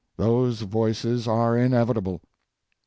Those voices are inevitable.